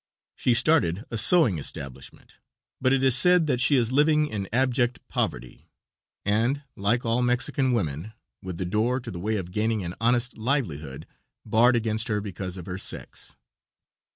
She started a sewing establishment, but it is said that she is living in abject poverty, and, like all Mexican women, with the door to the way of gaining an honest livelihood barred against her because of her sex.